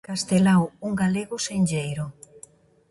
Castelao, un galego senlleiro.